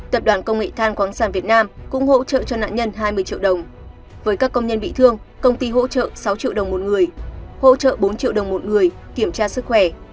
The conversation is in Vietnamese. tập đoàn công nghệ than quáng sản việt nam cũng hỗ trợ cho nạn nhân hai mươi triệu đồng với các công nhân bị thương công ty hỗ trợ sáu triệu đồng một người hỗ trợ bốn triệu đồng một người kiểm tra sức khỏe